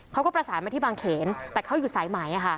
เขาก็ประสานมาที่บางเขนแต่เขาอยู่สายไหม